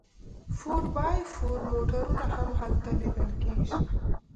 فور بای فور موټرونه هم هلته لیدل کیږي